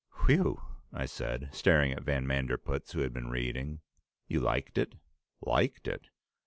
"Whew!" I said, staring at Van Manderpootz, who had been reading. "You liked it?" "Liked it!